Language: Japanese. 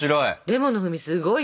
レモンの風味すごい？